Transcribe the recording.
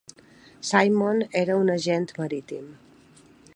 Simon era un agent marítim.